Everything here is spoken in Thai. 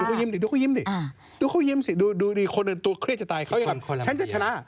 ดูเขายิ้มสิดูเขายิ้มสิดูคนตัวเครียดจะตายเขาอย่างแบบฉันจะชนะ